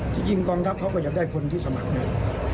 จริงกองทัพเขาก็อยากได้คนที่สมัครเนี่ย